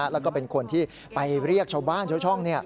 และเป็นคนที่ไปเรียกชาวบ้านเจ้าช่อง